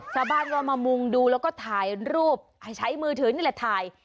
ชาวบ้านก็มามุงดูแล้วก็ถ่ายรูปให้ใช้มือถือนี่แหละถ่าย